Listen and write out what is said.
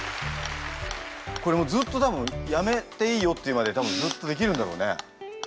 これずっと多分「やめていいよ」って言うまで多分ずっとできるんだろうね。